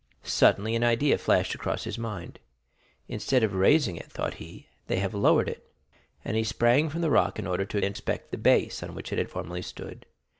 Suddenly an idea flashed across his mind. Instead of raising it, thought he, they have lowered it. And he sprang from the rock in order to inspect the base on which it had formerly stood.